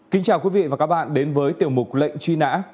kính chào quý vị và các bạn đến với tiểu mục lệnh truy nã